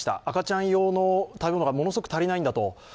赤ちゃん用の食べ物がものすごく足りないんだと。